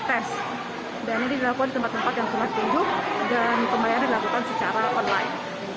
test dan ini dilakukan di tempat tempat yang selesai hidup dan kemarin dilakukan secara online